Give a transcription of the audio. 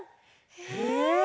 へえ！